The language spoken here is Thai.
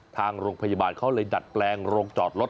ทางโรงพยาบาลเขาเลยดัดแปลงโรงจอดรถ